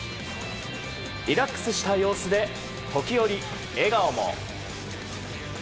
リラックスした様子で時折笑顔も。